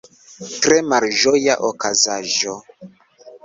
Tre malĝoja okazaĵo.